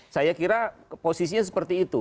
saya kira posisinya seperti itu